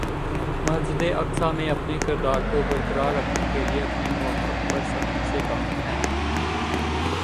مسجد اقصیٰ میں اپنے کردار کو برقرار رکھنے کے لیے اپنے مؤقف پر سختی سے قائم ہے-